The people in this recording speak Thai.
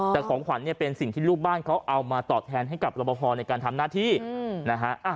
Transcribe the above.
แต่ของขวัญเนี่ยเป็นสิ่งที่ลูกบ้านเขาเอามาตอบแทนให้กับรบพอในการทำหน้าที่นะฮะ